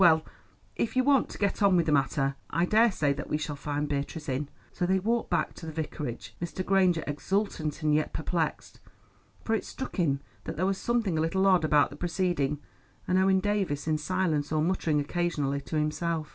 Well, if you want to get on with the matter, I daresay that we shall find Beatrice in." So they walked back to the Vicarage, Mr. Granger exultant and yet perplexed, for it struck him that there was something a little odd about the proceeding, and Owen Davies in silence or muttering occasionally to himself.